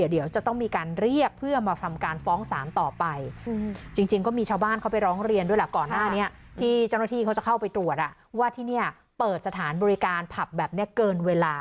เดี๋ยวจะต้องมีการเรียกเพื่อมาทำการฟ้องสารต่อไป